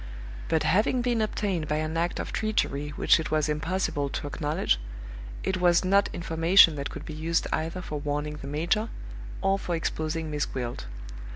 But having been obtained by an act of treachery which it was impossible to acknowledge, it was not information that could be used either for warning the major or for exposing Miss Gwilt.